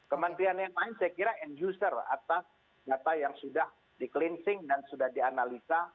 kementerian yang lain saya kira end user atas data yang sudah di cleansing dan sudah dianalisa